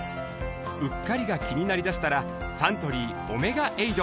うっかりが気になりだしたらサントリー「オメガエイド」